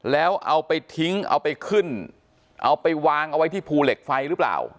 แล้วเอาไปทิ้งเอาไปขึ้นเอาไปวางเอาไว้ที่ภูเหล็กไฟหรือเปล่า